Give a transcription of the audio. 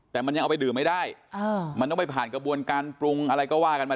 แต่มันยังเอาไปดื่มไม่ได้มันต้องไปผ่านกระบวนการปรุงอะไรก็ว่ากันมา